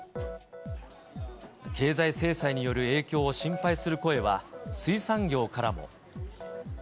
経済制裁による影響を心配する声は水産業からも。